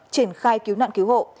triển khai cứu nạn cứu hộ